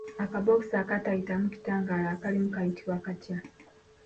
Akabokisi akatayitamu kitangaala akalimu kayitibwa katya?